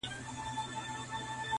نه پیران یې وه په یاد نه خیراتونه -